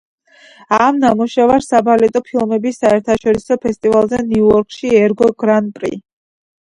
ამ ნამუშევარს საბალეტო ფილმების საერთაშორისო ფესტივალზე ნიუ-იორკში ერგო „გრან პრი“.